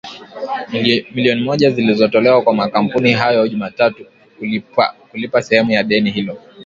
milioni moja zilitolewa kwa makampuni hayo Jumatatu kulipa sehemu ya deni hilo